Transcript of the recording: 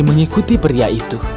mengikuti pria itu